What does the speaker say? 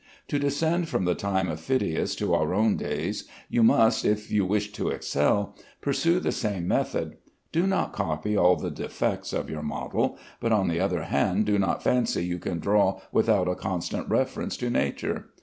To descend from the time of Phidias to our own days, you must (if you wish to excel) pursue the same method. Do not copy all the defects of your model, but, on the other hand, do not fancy you can draw without a constant reference to nature.